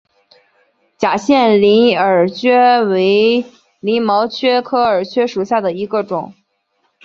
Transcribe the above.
假线鳞耳蕨为鳞毛蕨科耳蕨属下的一个种。